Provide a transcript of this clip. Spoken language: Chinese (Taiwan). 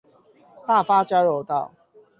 大發交流道